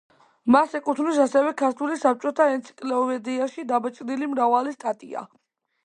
მას ეკუთვნის ასევე „ქართული საბჭოთა ენციკლოპედიაში“ დაბეჭდილი მრავალი სტატია.